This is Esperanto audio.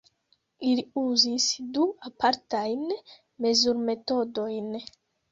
Ili uzis du apartajn mezurmetodojn.